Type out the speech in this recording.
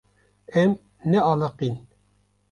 Em nealiqîn.